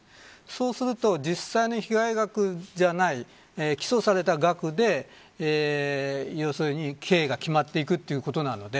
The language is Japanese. そうすると実際の被害額じゃない起訴された額で要するに刑が決まっていくということなので